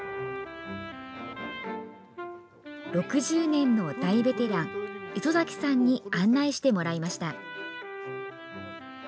６０年の大ベテラン、磯崎さんに案内してもらいました。